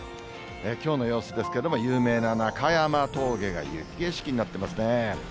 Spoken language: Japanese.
きょうの様子ですけれども、有名な中山峠が雪景色になってますね。